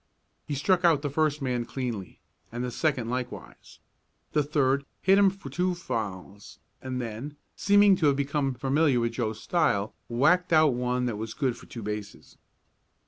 He struck out the first man cleanly, and the second likewise. The third hit him for two fouls, and then, seeming to have become familiar with Joe's style, whacked out one that was good for two bases.